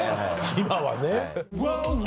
今はね。